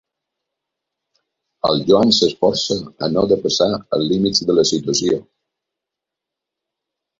El Joan s'esforça a no depassar els límits de la situació.